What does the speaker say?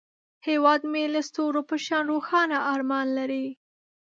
هیواد مې د ستورو په شان روښانه ارمان لري